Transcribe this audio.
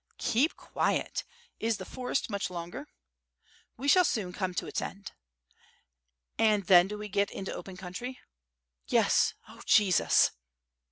"Keep quiet! Is the forest much longer?" "We shall soon come to its end." "And then do we get into open country?" "Yes! oh Jesus!"